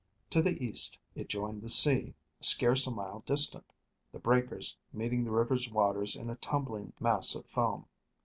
To the east, it joined the sea, scarce a mile distant, the breakers meeting the river's waters in a tumbling mass of foam.